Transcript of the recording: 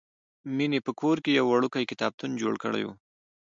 مینې په کور کې یو وړوکی کتابتون جوړ کړی و